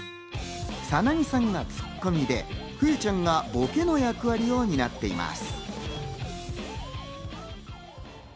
サナギさんがツッコミでフユちゃんがボケの役割りを担っています。